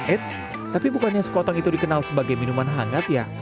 eits tapi bukannya sekotong itu dikenal sebagai minuman hangat ya